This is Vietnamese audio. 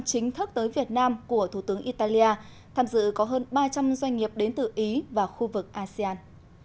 chính thức tới việt nam của thủ tướng italia tham dự có hơn ba trăm linh doanh nghiệp đến từ ý và khu vực asean